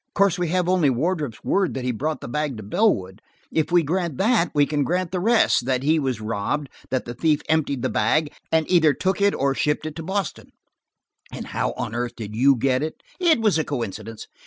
"Of course, we have only Wardrop's word that he brought the bag to Bellwood; if we grant that we can grant the rest–that he was robbed, that the thief emptied the bag, and either took it or shipped it to Boston." "How on earth did you get it?" "It was a coincidence.